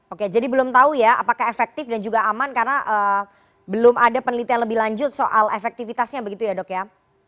oke jadi belum tahu ya apakah efektif dan juga aman karena belum ada penelitian lebih lanjut soal efektivitasnya begitu ya dok ya